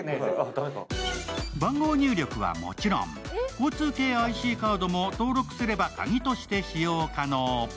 番号入力はもちろん、交通系ＩＣカードも登録すれば鍵として使用可能。